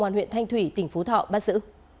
công an huyện thanh thủy tỉnh phú thọ bắt giữ